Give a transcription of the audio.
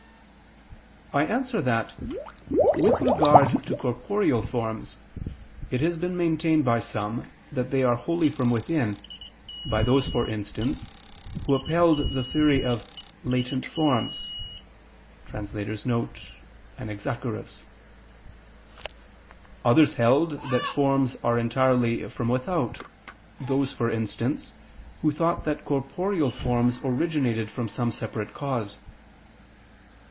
I answer that, With regard to corporeal forms, it has been maintained by some that they are wholly from within, by those, for instance, who upheld the theory of "latent forms" [*Anaxagoras; Cf. I, Q. 45, A. 8; Q. 65, A. 4]. Others held that forms are entirely from without, those, for instance, who thought that corporeal forms originated from some separate cause.